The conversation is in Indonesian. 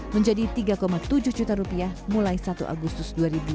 menjadi rp tiga tujuh juta rupiah mulai satu agustus dua ribu dua puluh